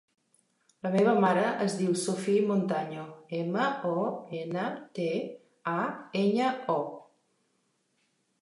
La meva mare es diu Sophie Montaño: ema, o, ena, te, a, enya, o.